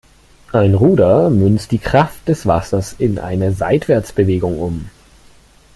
Ein Ruder münzt die Kraft des Wassers in eine Seitwärtsbewegung um.